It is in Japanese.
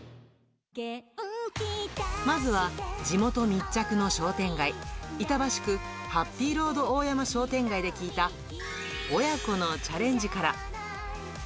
まずは地元密着の商店街、板橋区、ハッピーロード大山商店街で聞いた、親子のチャレンジから。